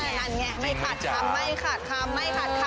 นั่นไงไม่ขัดคำ